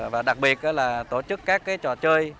và đặc biệt là tổ chức các trò chơi